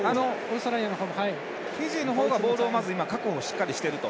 フィジーの方がボールを確保しっかりしていると。